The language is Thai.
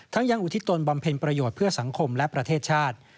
ยังอุทิศตนบำเพ็ญประโยชน์เพื่อสังคมและประเทศชาติ